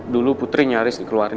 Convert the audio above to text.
dulu putri nyaris dikeluarkan